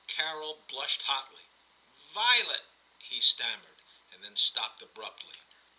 Carol blushed hotly. 'Violet ' he stammered, and then stopped abruptly.